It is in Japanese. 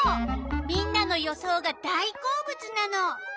みんなの予想が大好物なの。